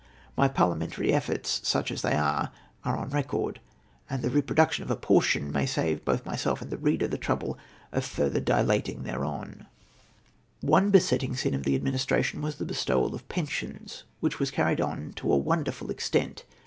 My parliamentary efforts, such as they are, are on record, and the reproduction of a portion may save both myself and the reader the trouble of further dilating; thereon, o One besetting sin of the Administration was the be stowal of pensions, which was carried on to a Avonder ful extent.